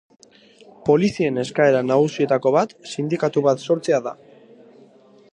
Polizien eskaera nagusietako bat sindikatu bat sortzea da.